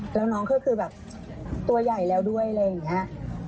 แล้วน้องก็คือแบบตัวใหญ่แล้วด้วยอะไรอย่างนี้